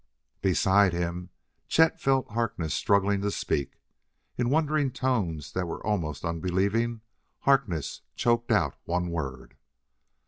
Beside him, Chet felt Harkness struggling to speak. In wondering tones that were almost unbelieving, Harkness choked out one word.